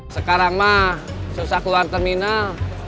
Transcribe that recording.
sekarang mah susah keluar terminal